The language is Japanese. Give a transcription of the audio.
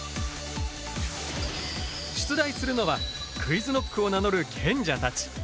出題するのはＱｕｉｚＫｎｏｃｋを名乗る賢者たち。